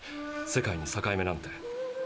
世界に境目なんて。